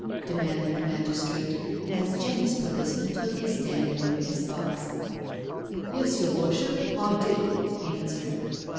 demanded the magistrate, as Jenny's policeman took his stand in the witness box. Yes, your Worship, I did," he answered.